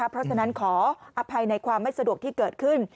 เพราะฉะนั้นขออภัยในความไม่สะดวกที่เกิดขึ้น